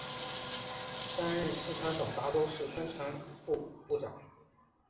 担任四川省达州市委宣传部部长。